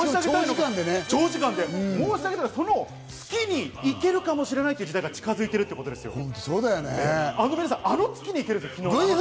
申し上げたいのが、その月に行けるかもしれないという時代が近づいているということですよ。